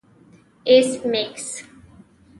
ایس میکس